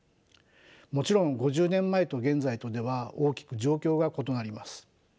もちろん５０年前と現在とでは大きく状況が異なります。